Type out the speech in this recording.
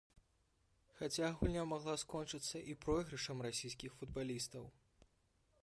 Хаця гульня магла скончыцца і пройгрышам расійскіх футбалістаў.